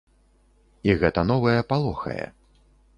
І гэта новае палохае.